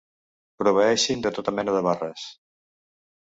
Proveeixin de tota mena de barres.